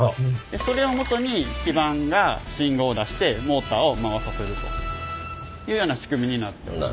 それをもとに基板が信号を出してモーターを回させるというような仕組みになっております。